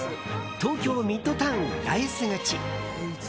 東京ミッドタウン八重洲口。